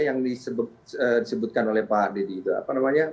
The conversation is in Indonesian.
yang disebutkan oleh pak deddy